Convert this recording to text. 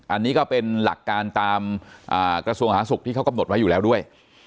อันนี้ก็เป็นหลักการตามกระทรวงหาศุกร์ที่เขากำหนดไว้อยู่แล้วด้วย